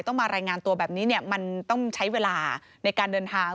มารายงานตัวแบบนี้มันต้องใช้เวลาในการเดินทาง